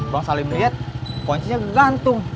bang salim liat kuncinya digantung